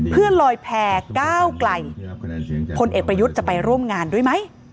เพื่อลอยแพร่ก้าวไกลพลเอกประยุทธ์จะไปร่วมงานด้วยไหม